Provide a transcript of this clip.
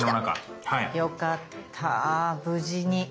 よかった無事に。